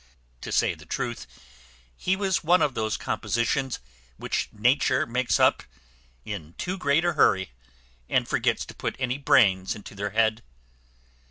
To say the truth, he was one of those compositions which nature makes up in too great a hurry, and forgets to put any brains into their head.